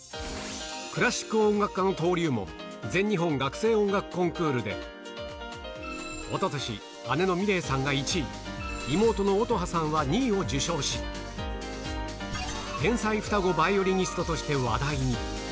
クラシック音楽家の登竜門、全日本学生音楽コンクールで、おととし、姉の美玲さんが１位、妹の音葉さんは２位を受賞し、天才双子バイオリニストとして話題に。